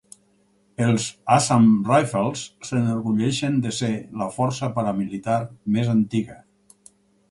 Els Assam Rifles s'enorgulleixen de ser la força paramilitar més antiga.